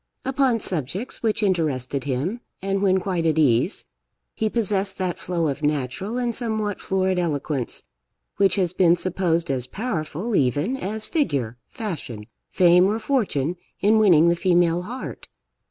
Upon subjects which interested him, and when quite at ease, he possessed that flow of natural, and somewhat florid eloquence, which has been supposed as powerful even as figure, fashion, fame, or fortune, in winning the female heart.